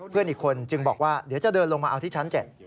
เพื่อนอีกคนจึงบอกว่าเดี๋ยวจะเดินลงมาเอาที่ชั้น๗